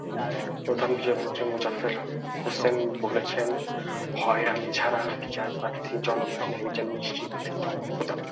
প্রধান বিচারপতি মোজাম্মেল হোসেন বলেছেন, হয়রানি ছাড়া বিচারপ্রার্থী জনগণের ন্যায়বিচার নিশ্চিত করতে হবে।